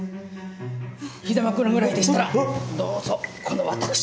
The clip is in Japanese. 膝枕ぐらいでしたらどうぞこの私めが。